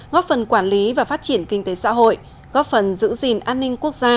góp phần quản lý và phát triển kinh tế xã hội góp phần giữ gìn an ninh quốc gia